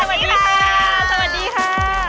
สวัสดีค่ะ